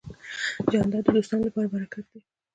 جانداد د دوستانو لپاره برکت دی.